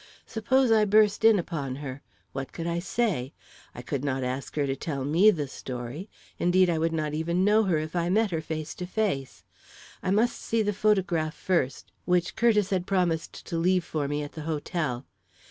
Suppose I burst in upon her, what could I say? I could not ask her to tell me the story indeed, I would not even know her if I met her face to face. I must see the photograph, first, which Curtiss had promised to leave for me at the hotel.